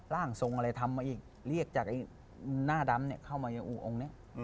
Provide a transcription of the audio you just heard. ล่างทรงอะไรทำมาอีกเรียกจากไอ้หน้าดำเข้ามาอยู่อุอง